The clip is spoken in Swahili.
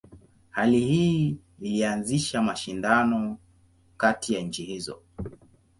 Hali hii ilianzisha mashindano kati ya nchi hizo.